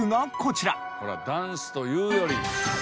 これはダンスというより。